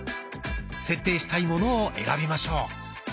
設定したいものを選びましょう。